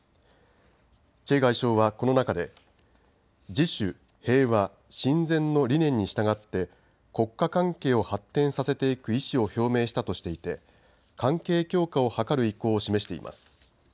チェ外相はこの中で自主、平和、親善の理念に従って国家関係を発展させていく意思を表明したとしていて関係強化を図る意向を示しています。